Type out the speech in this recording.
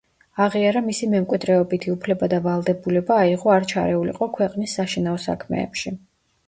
აღიარა მისი მემკვიდრეობითი უფლება და ვალდებულება აიღო არ ჩარეულიყო ქვეყნის საშინაო საქმეებში.